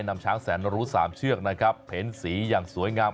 นำช้างแสนรู้๓เชือกนะครับเห็นสีอย่างสวยงาม